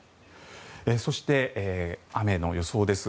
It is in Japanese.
そして、雨の予想です。